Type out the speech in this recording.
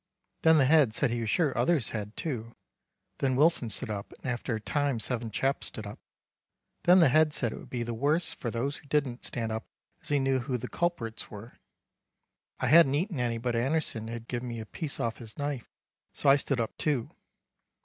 Then the Head said he was sure others had too. Then Wilson stood up and after a time 7 chaps stood up. Then the Head said it would be the worse for those who didn't stand up as he knew who the culprets were. I hadn't eaten any but Anderson had given me a piece off his knife so I stood up two.